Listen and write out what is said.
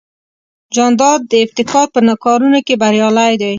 جانداد د ابتکار په کارونو کې بریالی دی.